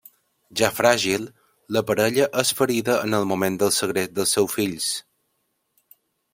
Ja fràgil, la parella és ferida en el moment del segrest dels seus fills.